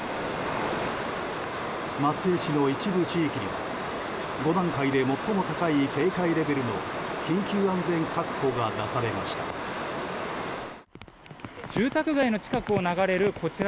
松江市の一部地域では５段階で最も高い警戒レベルの緊急安全確保が出されました。